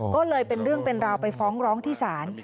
ก็เลยเป็นเรื่องเป็นราวไปฟ้องร้องที่ศาล